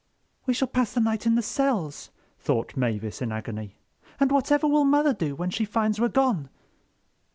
"We shall pass the night in the cells," thought Mavis, in agony; "and whatever will Mother do when she finds we're gone?"